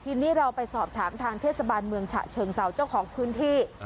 ทีนี้เราไปสอบถามทางเทศบาลเมืองฉะเชิงเศร้าเจ้าของพื้นที่